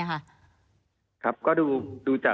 มีความรู้สึกว่ามีความรู้สึกว่า